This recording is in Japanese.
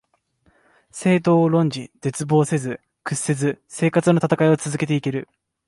政党を論じ、絶望せず、屈せず生活のたたかいを続けて行ける